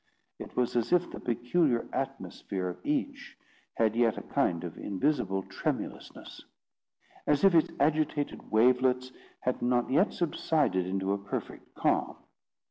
It was as if the peculiar atmosphere of each had yet a kind of invisible tremulousness; as if its agitated wavelets had not yet subsided into a perfect calm.